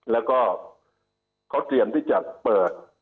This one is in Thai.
แล้วก็เขาเตรียมที่จะเปิด